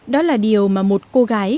đó là điều mà một cô gái